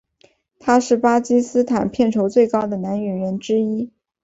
他是巴基斯坦片酬最高的男演员之一。